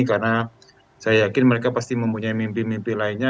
karena saya yakin mereka pasti mempunyai mimpi mimpi lainnya